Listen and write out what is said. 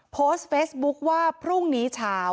โพสต์เฟซบุ๊คว่าพรุ่งนี้เช้า